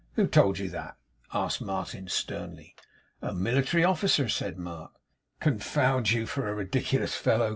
'Who told you that?' asked Martin, sternly. 'A military officer,' said Mark. 'Confound you for a ridiculous fellow!